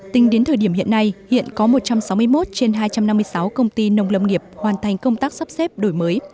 tính đến thời điểm hiện nay hiện có một trăm sáu mươi một trên hai trăm năm mươi sáu công ty nông lâm nghiệp hoàn thành công tác sắp xếp đổi mới